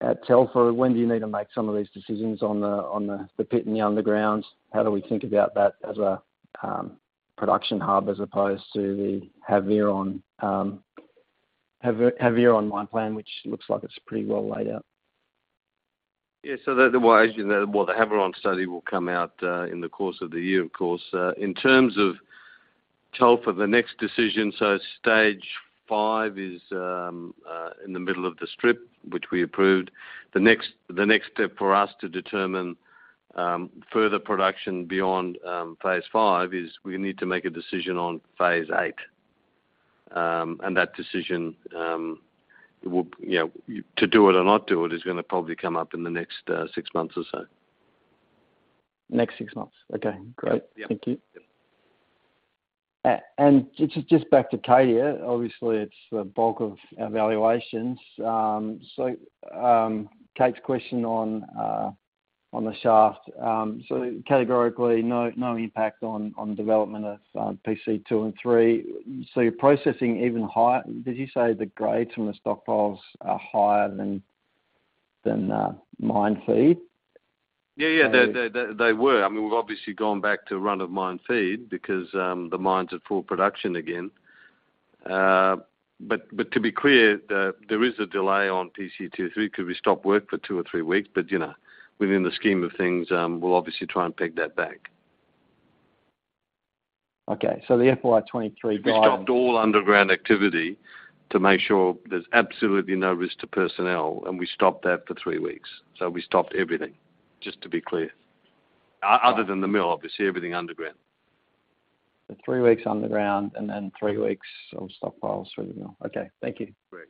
at Telfer? When do you need to make some of these decisions on the pit and the underground? How do we think about that as a production hub as opposed to the Havieron mine plan, which looks like it's pretty well laid out? The way, as you know, the Havieron study will come out in the course of the year, of course. In terms of Telfer, the next decision, stage five is in the middle of the strip, which we approved. The next step for us to determine further production beyond phase five is we need to make a decision on phase eight. That decision, you know, to do it or not do it, is gonna probably come up in the next six months or so. Next six months. Okay, great. Yeah. Thank you. Just back to Cadia. Obviously, it's the bulk of our valuations. Kate's question on the shaft. Categorically no impact on development of PC two and three. You're processing even higher. Did you say the grades from the stockpiles are higher than mine feed? Yeah, yeah. So- They were. I mean, we've obviously gone back to run-of-mine feed because the mine's at full production again. But to be clear, there is a delay on PC two and three because we stopped work for two or three weeks, but you know, within the scheme of things, we'll obviously try and peg that back. Okay. The FY23 guide. We stopped all underground activity to make sure there's absolutely no risk to personnel, and we stopped that for three weeks. We stopped everything, just to be clear. Other than the mill, obviously, everything underground. Three weeks underground and then three weeks of stockpiles through the mill. Okay. Thank you. Great.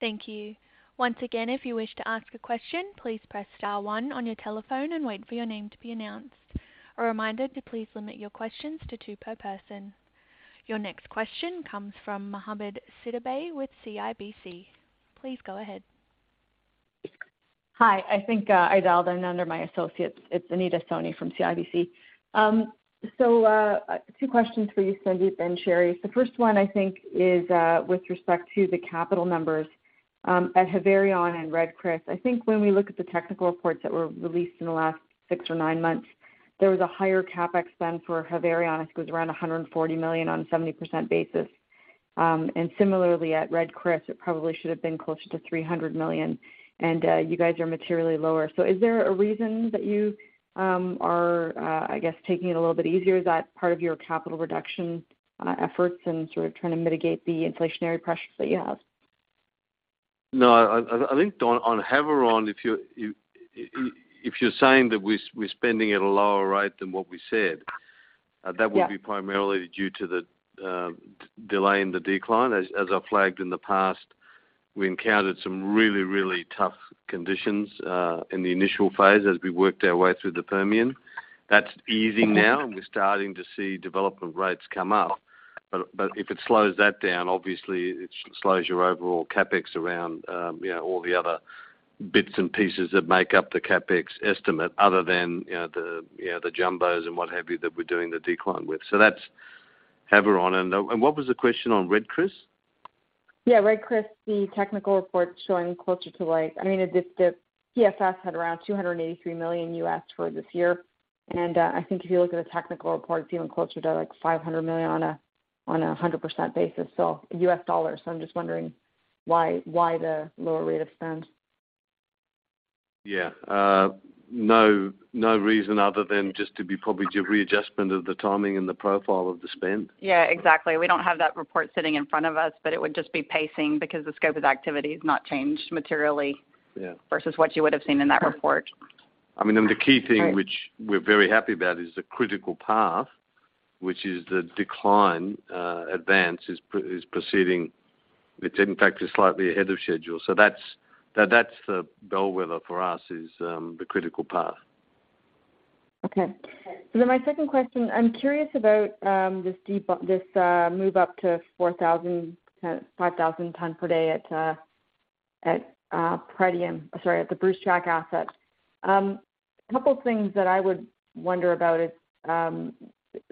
Thank you. Once again, if you wish to ask a question, please press star one on your telephone and wait for your name to be announced. A reminder to please limit your questions to two per person. Your next question comes from Anita Soni with CIBC. Please go ahead. Hi. I think I dialed in under my associates. It's Anita Soni from CIBC. Two questions for you, Sandeep and Sherry. The first one, I think, is with respect to the capital numbers at Havieron and Red Chris. I think when we look at the technical reports that were released in the last six or nine months, there was a higher CapEx spend for Havieron. It was around $140 million on 70% basis. Similarly at Red Chris, it probably should have been closer to $300 million, and you guys are materially lower. Is there a reason that you are, I guess, taking it a little bit easier? Is that part of your capital reduction efforts and sort of trying to mitigate the inflationary pressures that you have? No. I think on Havieron, if you're saying that we're spending at a lower rate than what we said. Yeah That would be primarily due to the delay in the decline. As I flagged in the past, we encountered some really tough conditions in the initial phase as we worked our way through the Permian. That's easing now, and we're starting to see development rates come up. But if it slows that down, obviously it slows your overall CapEx around, you know, all the other bits and pieces that make up the CapEx estimate other than, you know, the jumbos and what have you that we're doing the decline with. So that's Havieron. And what was the question on Red Chris? Red Chris, the technical report showing closer to, like, I mean, the PFS had around $283 million for this year. I think if you look at the technical reports, even closer to, like, $500 million on a 100% basis, so US dollars. I'm just wondering why the lower rate of spend? Yeah. No, no reason other than just to probably do readjustment of the timing and the profile of the spend. Yeah, exactly. We don't have that report sitting in front of us, but it would just be pacing because the scope of the activity has not changed materially. Yeah versus what you would have seen in that report. I mean, the key thing which we're very happy about is the critical path, which is the decline advance is proceeding. It in fact is slightly ahead of schedule. That's the bellwether for us, the critical path. Okay. My second question, I'm curious about this move up to 4,000-5,000 tons per day at Pretium, sorry, at the Brucejack asset. A couple of things that I would wonder about is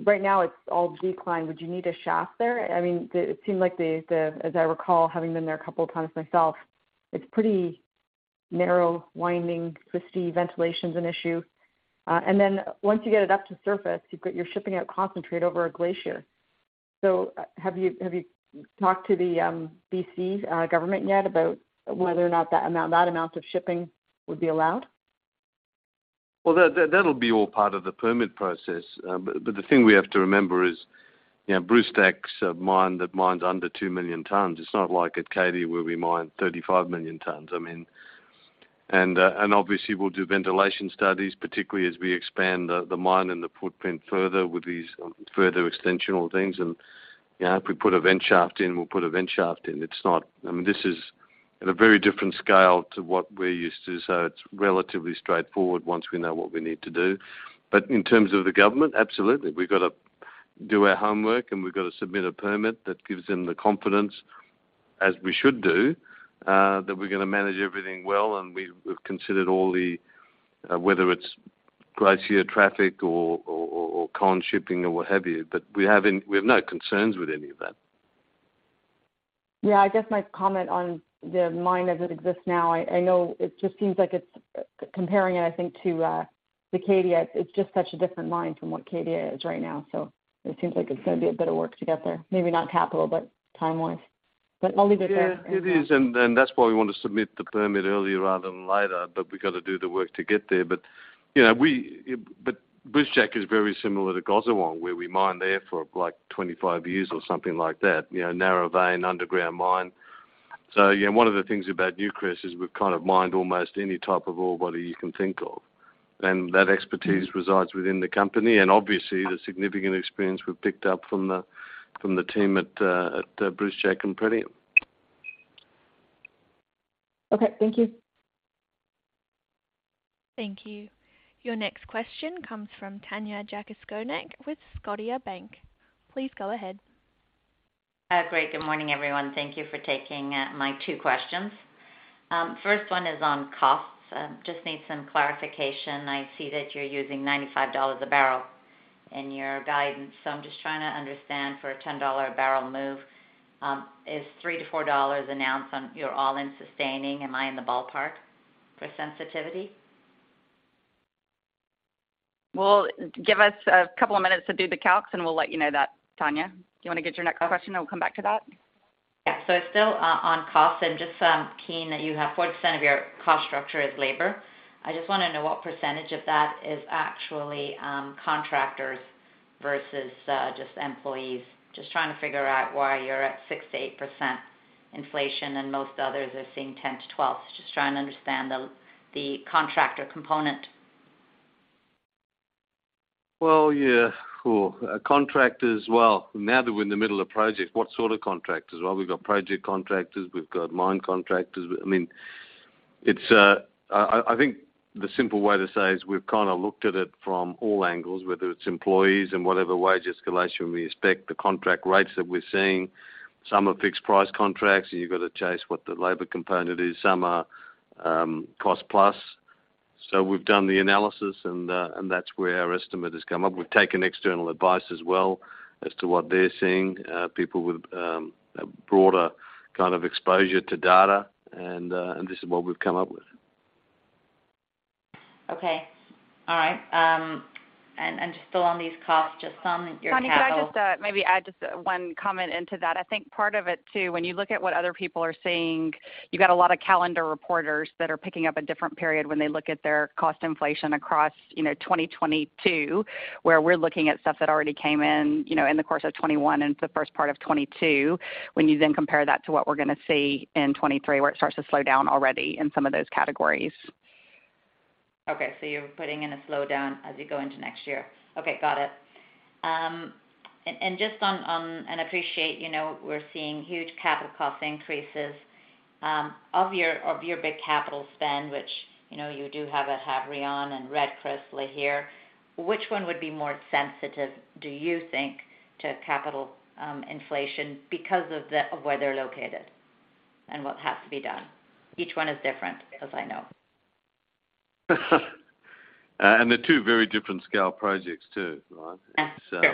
right now it's all decline. Would you need a shaft there? I mean, it seemed like, as I recall, having been there a couple of times myself, it's pretty narrow, winding, twisty. Ventilation's an issue. And then once you get it up to surface, you've got your shipping out concentrate over a glacier. Have you talked to the BC government yet about whether or not that amount of shipping would be allowed? Well, that'll be all part of the permit process. But the thing we have to remember is, you know, Brucejack's a mine that mines under two million tons. It's not like at Cadia, where we mine 35 million tons. I mean. Obviously we'll do ventilation studies, particularly as we expand the mine and the footprint further with these further extensional things. You know, if we put a vent shaft in, we'll put a vent shaft in. It's not. I mean, this is at a very different scale to what we're used to. It's relatively straightforward once we know what we need to do. In terms of the government, absolutely. We've got to do our homework, and we've got to submit a permit that gives them the confidence, as we should do, that we're gonna manage everything well. We've considered all the whether it's glacier traffic or con shipping or what have you. We have no concerns with any of that. Yeah. I guess my comment on the mine as it exists now, I know it just seems like it's comparing it, I think, to the Cadia. It's just such a different mine from what Cadia is right now. It seems like it's gonna be a bit of work to get there. Maybe not capital, but time-wise. I'll leave it there. Yeah. It is. That's why we want to submit the permit earlier rather than later, but we've got to do the work to get there. Brucejack is very similar to Gosowong, where we mined there for, like, 25 years or something like that. You know, narrow vein, underground mine. You know, one of the things about Newcrest is we've kind of mined almost any type of ore body you can think of. That expertise resides within the company and obviously the significant experience we've picked up from the team at Brucejack and Pretium. Okay. Thank you. Thank you. Your next question comes from Tanya Jakusconek with Scotiabank. Please go ahead. Great. Good morning, everyone. Thank you for taking my two questions. First one is on costs. Just need some clarification. I see that you're using $95 a barrel in your guidance. I'm just trying to understand for a $10 a barrel move, is $3-$4 an ounce on your all-in sustaining? Am I in the ballpark for sensitivity? Well, give us a couple of minutes to do the calcs, and we'll let you know that, Tanya. Do you wanna get your next question, and we'll come back to that? Yeah. Still on costs and just keen that you have 4% of your cost structure is labor. I just wanna know what percentage of that is actually contractors versus just employees. Just trying to figure out why you're at 6%-8% inflation and most others are seeing 10%-12%. Just trying to understand the contractor component. Well, yeah. Cool. Contractors, well, now that we're in the middle of project, what sort of contractors? Well, we've got project contractors, we've got mine contractors. I mean, it's. I think the simple way to say is we've kinda looked at it from all angles, whether it's employees and whatever wage escalation we expect, the contract rates that we're seeing. Some are fixed price contracts, and you've got to chase what the labor component is. Some are cost plus. We've done the analysis, and that's where our estimate has come up. We've taken external advice as well as to what they're seeing, people with a broader kind of exposure to data and this is what we've come up with. Okay. All right. Just still on these costs, just on your capital- Tanya, can I just maybe add just one comment into that? I think part of it too, when you look at what other people are seeing, you've got a lot of calendar reporters that are picking up a different period when they look at their cost inflation across, you know, 2022, where we're looking at stuff that already came in, you know, in the course of 2021 into the first part of 2022. When you then compare that to what we're gonna see in 2023, where it starts to slow down already in some of those categories. Okay. You're putting in a slowdown as you go into next year. Okay, got it. And just on and appreciate, you know, we're seeing huge capital cost increases, of your big capital spend, which, you know, you do have at Havieron, Red Chris, Lihir. Which one would be more sensitive, do you think, to capital inflation because of where they're located and what has to be done? Each one is different, as I know. They're two very different scale projects too, right? Yeah. Sure.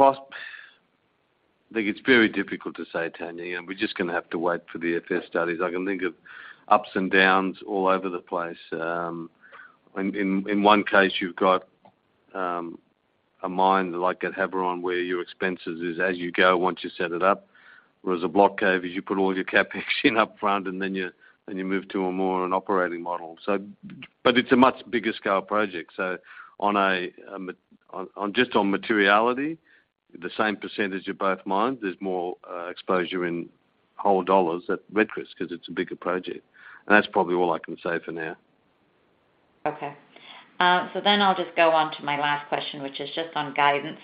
I think it's very difficult to say, Tanya. We're just gonna have to wait for the FS studies. I can think of ups and downs all over the place. In one case, you've got a mine like at Havieron, where your expenses is as you go once you set it up. Whereas at Block Cave is you put all your CapEx in up front and then you move to a more an operating model. It's a much bigger scale project. On just materiality, the same percentage of both mines, there's more exposure in whole dollars at Red Chris 'cause it's a bigger project. That's probably all I can say for now. Okay. I'll just go on to my last question, which is just on guidance.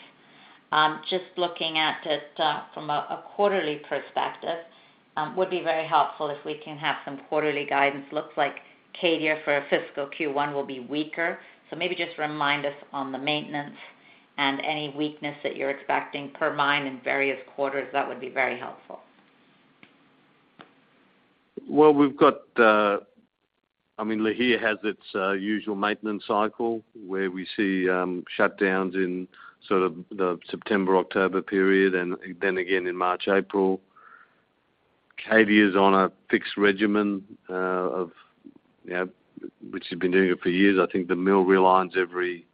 Just looking at it, from a quarterly perspective, would be very helpful if we can have some quarterly guidance. Looks like Cadia for fiscal Q1 will be weaker. Maybe just remind us on the maintenance and any weakness that you're expecting per mine in various quarters. That would be very helpful. Well, we've got, I mean, Lihir has its usual maintenance cycle, where we see shutdowns in sort of the September-October period and then again in March-April. Cadia's on a fixed regimen, of, you know, which has been doing it for years. I think the mill realigns every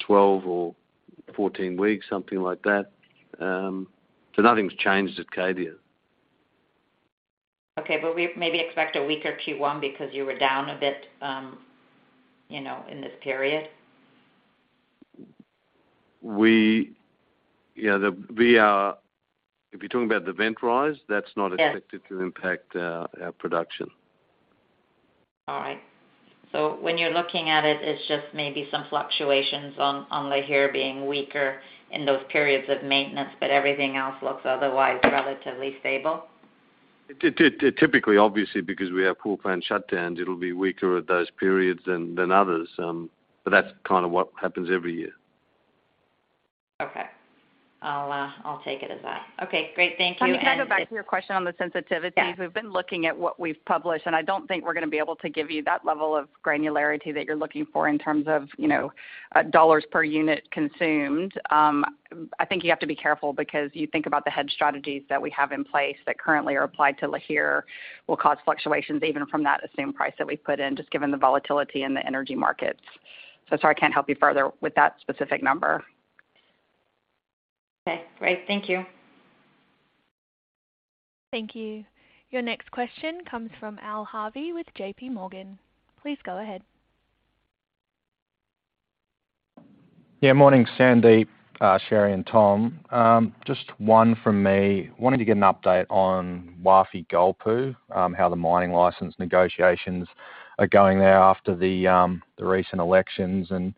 12 or 14 weeks, something like that. Nothing's changed at Cadia. Okay. We maybe expect a weaker Q1 because you were down a bit, you know, in this period. If you're talking about the vent rise. Yes. That's not expected to impact our production. All right. When you're looking at it's just maybe some fluctuations on Lihir being weaker in those periods of maintenance, but everything else looks otherwise relatively stable? Typically, obviously, because we have poor planned shutdowns, it'll be weaker at those periods than others. That's kinda what happens every year. Okay. I'll take it as that. Okay, great. Thank you. Tanya, can I go back to your question on the sensitivities? Yeah. We've been looking at what we've published, and I don't think we're gonna be able to give you that level of granularity that you're looking for in terms of, you know, dollars per unit consumed. I think you have to be careful because you think about the hedge strategies that we have in place that currently are applied to Lihir will cause fluctuations even from that assumed price that we put in, just given the volatility in the energy markets. Sorry, I can't help you further with that specific number. Okay, great. Thank you. Thank you. Your next question comes from Alistair Harvey with J.P. Morgan. Please go ahead. Yeah, morning, Sandeep, Sherry, and Tom. Just one from me. Wanted to get an update on Wafi-Golpu, how the mining license negotiations are going there after the recent elections and,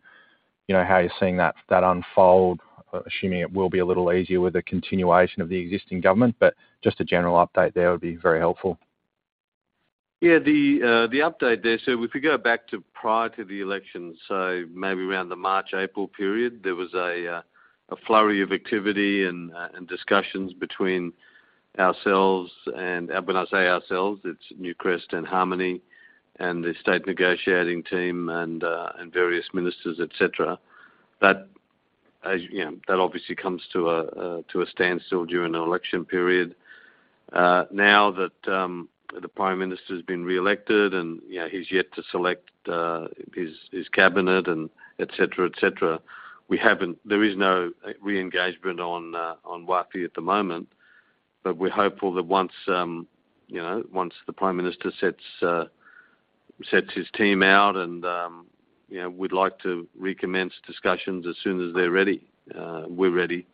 you know, how you're seeing that unfold, assuming it will be a little easier with the continuation of the existing government. Just a general update there would be very helpful. Yeah, the update there. If we go back to prior to the election, maybe around the March-April period, there was a flurry of activity and discussions between ourselves and. When I say ourselves, it's Newcrest and Harmony and the state negotiating team and various ministers, et cetera. As you know, that obviously comes to a standstill during the election period. Now that the Prime Minister's been reelected and, you know, he's yet to select his cabinet and et cetera, et cetera, there is no reengagement on Wafi at the moment. We're hopeful that once, you know, once the Prime Minister sets his team out and, you know, we'd like to recommence discussions as soon as they're ready, we're ready.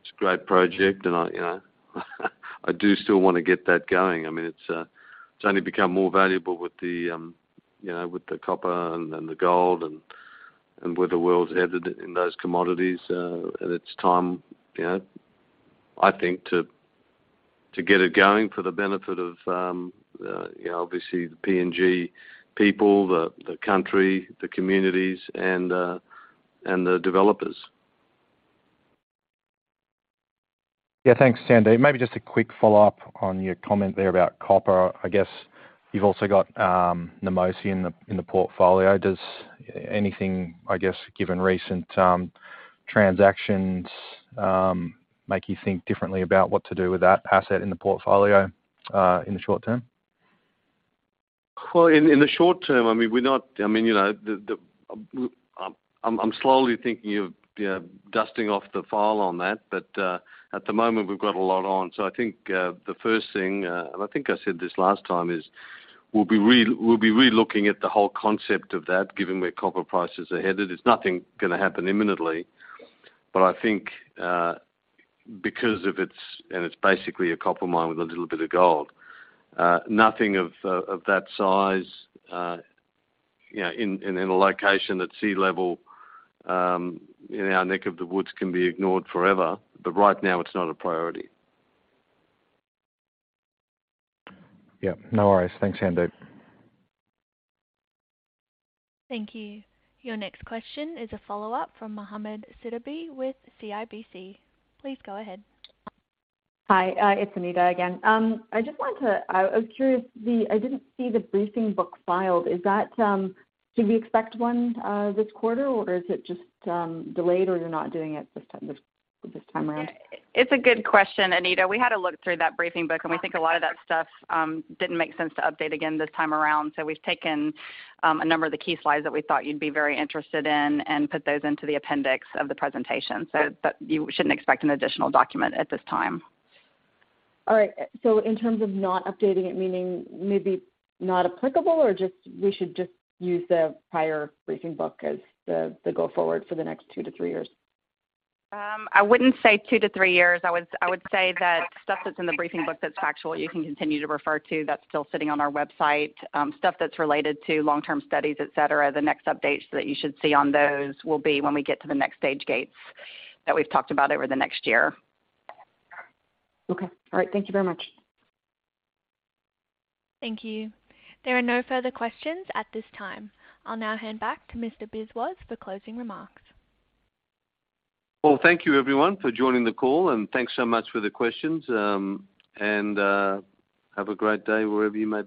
It's a great project and I you know I do still wanna get that going. I mean, it's only become more valuable with you know with the copper and the gold and where the world's headed in those commodities. It's time you know I think to get it going for the benefit of you know obviously the PNG people the country the communities and the developers. Yeah. Thanks, Sandeep. Maybe just a quick follow-up on your comment there about copper. I guess you've also got Namosi in the portfolio. Does anything, I guess, given recent transactions, make you think differently about what to do with that asset in the portfolio in the short term? In the short term, I mean, we're slowly thinking of, you know, dusting off the file on that. At the moment, we've got a lot on. I think the first thing, and I think I said this last time, is we'll be relooking at the whole concept of that, given where copper prices are headed. It's not gonna happen imminently. I think because of its and it's basically a copper mine with a little bit of gold, nothing of that size, you know, in the location at sea level, in our neck of the woods can be ignored forever. Right now it's not a priority. Yeah. No worries. Thanks, Sandeep. Thank you. Your next question is a follow-up from Mohamed Sidibe with CIBC. Please go ahead. Hi. It's Anita again. I was curious. I didn't see the briefing book filed. Should we expect one this quarter or is it just delayed or you're not doing it this time around? It's a good question, Anita. We had a look through that briefing book, and we think a lot of that stuff didn't make sense to update again this time around. We've taken a number of the key slides that we thought you'd be very interested in and put those into the appendix of the presentation. You shouldn't expect an additional document at this time. All right. In terms of not updating it, meaning maybe not applicable or just we should just use the prior briefing book as the go forward for the next 2-3 years? I wouldn't say 2-3 years. I would say that stuff that's in the briefing book that's factual, you can continue to refer to. That's still sitting on our website. Stuff that's related to long-term studies, et cetera, the next updates that you should see on those will be when we get to the next stage gates that we've talked about over the next year. Okay. All right. Thank you very much. Thank you. There are no further questions at this time. I'll now hand back to Mr. Biswas for closing remarks. Well, thank you everyone for joining the call, and thanks so much for the questions. Have a great day wherever you may be.